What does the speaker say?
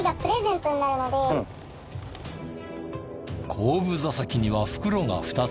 後部座席には袋が２つ。